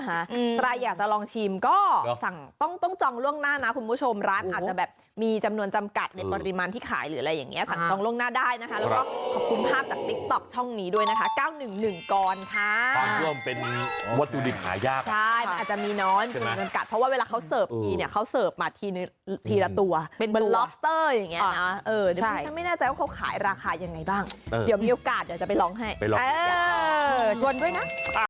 ตัว๙๑๑ก่อนค่ะความร่วมเป็นวัตถุดิบหายากใช่มันอาจจะมีน้อยมีโอกาสเพราะว่าเวลาเขาเสิร์ฟทีเนี่ยเขาเสิร์ฟมาทีละตัวเป็นล็อบสเตอร์อย่างเงี้ยนะเออนึกว่าฉันไม่แน่ใจว่าเขาขายราคายังไงบ้างเดี๋ยวมีโอกาสเดี๋ยวจะไปลองให้เออชวนด้วยนะ